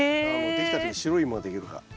できた時に白いイモができるから。